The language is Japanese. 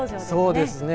そうですね。